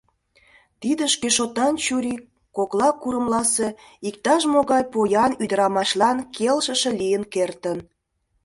Тиде шкешотан чурий кокла курымласе иктаж-могай поян ӱдырамашлан келшыше лийын кертын.